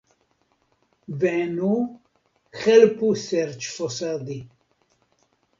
Venu, helpu serĉfosadi.